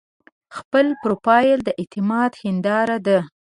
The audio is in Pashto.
خپل پروفایل د اعتماد هنداره ده.